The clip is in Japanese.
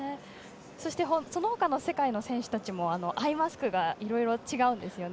そのほかの世界の選手たちもアイマスクがいろいろ違うんですよね。